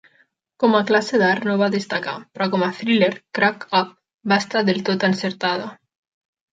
Com a classe d'art no va destacar, però com a thriller, 'Crack-Up' va estar del tot encertada.